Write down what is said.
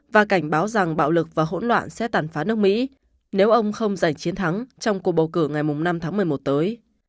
và cảnh báo rằng bạo lực và hỗn loạn sẽ tàn phá nước mỹ nếu ông không giành chiến thắng trong cuộc bầu cử ngày năm tháng một mươi một tới